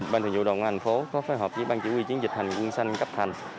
ban thường dụ đồng hành phố có phối hợp với ban chỉ huy chiến dịch hành quân xanh cấp thành